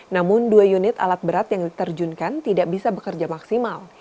namun dua unit alat berat yang diterjunkan tidak bisa bekerja maksimal